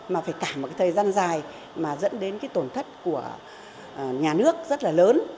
mà phải cả một cái thời gian dài mà dẫn đến cái tổn thất của nhà nước rất là lớn